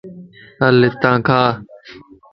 ھل ھتان ڪان